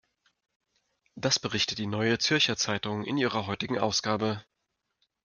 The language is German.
Das berichtet die Neue Zürcher Zeitung in ihrer heutigen Ausgabe.